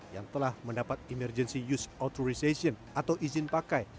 yang telah mendapat emergency use authorization atau izin pakai